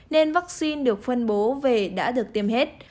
nên vaccine được phân bố về đã được tiêm hết